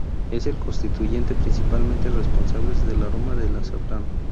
Es el constituyente principalmente responsables del aroma de azafrán.